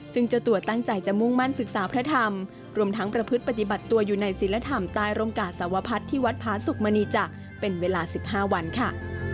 ซึ่งเจ้าตัวตั้งใจจะมุ่งมั่นศึกษาพระธรรมรวมทั้งประพฤติปฏิบัติตัวอยู่ในศิลธรรมใต้ร่มกาสวพัฒน์ที่วัดพาสุขมณีจักรเป็นเวลา๑๕วันค่ะ